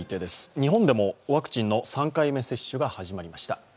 日本でもワクチンの３回目接種が始まりました。